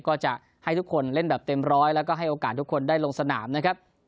ก็จะให้ทุกคนเล่นแบบเต็มร้อยแล้วก็ให้โอกาสทุกคนได้ลงสนามนะครับ